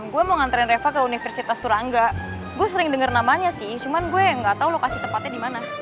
gue mau nganterin reva ke universitas turangga gue sering denger namanya sih cuman gue gak tau lokasi tempatnya dimana